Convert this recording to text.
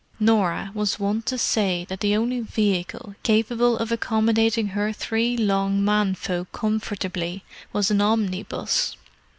Norah was wont to say that the only vehicle capable of accommodating her three long men folk comfortably was an omnibus.